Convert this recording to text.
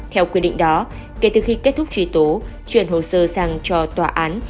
theo quy định đó kể từ khi kết thúc truy tố chuyển hồ sơ sang cho tòa án